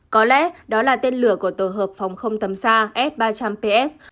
có lẽ đó là tên lửa của tổ hợp phòng không tầm xa s ba trăm linh ps